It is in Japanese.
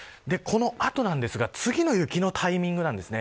この後なんですが次の雪のタイミングなんですね。